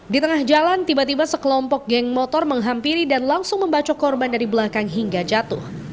di tengah jalan tiba tiba sekelompok geng motor menghampiri dan langsung membacok korban dari belakang hingga jatuh